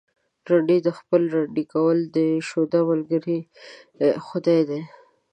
رند دي خپله رندي کوي ، د شوده ملگرى خداى دى.